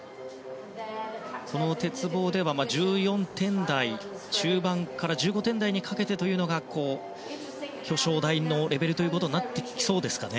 鉄棒では１４点台中盤から１５点台にかけてというのが表彰台のレベルとなってきそうですかね。